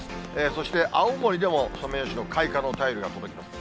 そして青森でもソメイヨシノ、開花の便りが届きました。